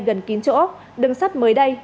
gần kín chỗ đường sắt mới đây